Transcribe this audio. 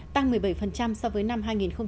tăng một mươi bảy so với năm hai nghìn một mươi bảy